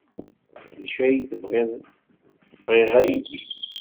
D acu ay tebɣid? Bɣiɣ aydi.